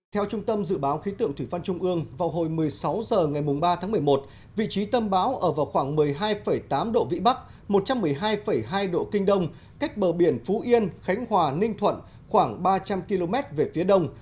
theo trung tâm dự báo khí tượng thủy văn trung ương vào hồi một mươi sáu h ngày ba tháng một mươi một vị trí tâm bão ở vào khoảng một mươi hai tám độ vĩ bắc một trăm một mươi hai hai độ kinh đông cách bờ biển phú yên khánh hòa ninh thuận khoảng ba trăm linh km về phía đông